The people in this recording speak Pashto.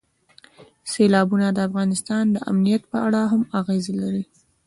سیلابونه د افغانستان د امنیت په اړه هم اغېز لري.